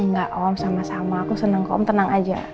enggak om sama sama aku seneng om tenang aja